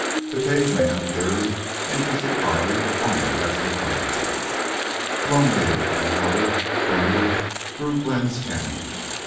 The cave man theory interested Carley only as mythology. Lonelier, wilder, grander grew Glenn's canyon.